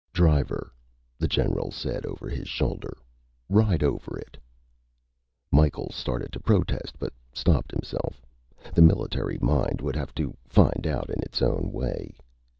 "Driver," the general said over his shoulder. "Ride over it." Micheals started to protest, but stopped himself. The military mind would have to find out in its own way.